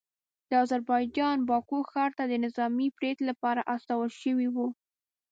د اذربایجان باکو ښار ته د نظامي پریډ لپاره استول شوي وو